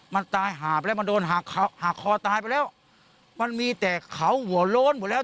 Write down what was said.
มันตายหาไปแล้วมันโดนหาคอตายไปแล้ว